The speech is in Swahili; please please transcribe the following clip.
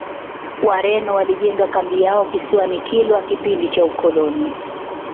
wareno walijenga kambi yao kisiwani kilwa kipindi cha ukoloni